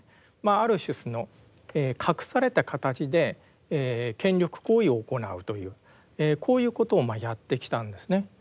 ある種その隠された形で権力行為を行うというこういうことをまあやってきたんですね。